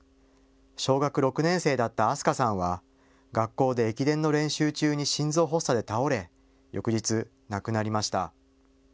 小学６年生だった明日香さんは学校で駅伝の練習中に心臓発作で倒れ翌日、亡くなりました。